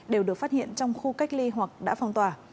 đều được phát hiện trong khu cách ly hoặc đã phong tỏa